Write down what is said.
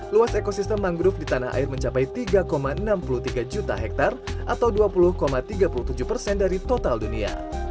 luas ekosistem mangrove di tanah air mencapai tiga enam puluh tiga juta hektare atau dua puluh tiga puluh tujuh persen dari total dunia